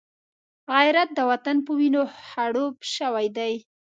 غیرت د وطن په وینو خړوب شوی دی